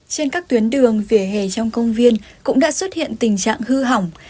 trên các tuyến đường vỉa hè trong công viên cũng đã xuất hiện tình trạng hư hỏng